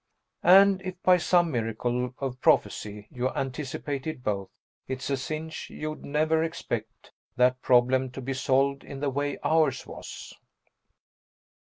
And, if by some miracle of prophecy you anticipated both, it's a cinch you'd never expect that problem to be solved in the way ours was.